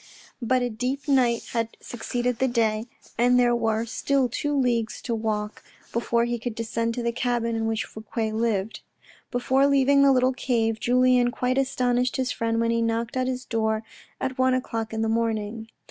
But a deep night had succeeded the day, and there were still two leagues to walk before he could descend to the cabin in which Fouque lived. Before leaving the little cave, Julien made a light and carefully burnt all that he had written. He quite astonished his friend when he knocked at his door at one o'clock in the morning.